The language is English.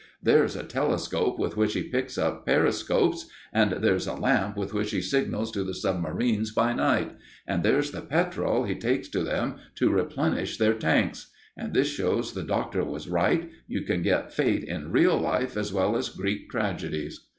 There's a telescope with which he picks up periscopes, and there's a lamp, with which he signals to the submarines by night, and there's the petrol he takes to them to replenish their tanks. And this shows the Doctor was right: you can get Fate in real life as well as Greek tragedies."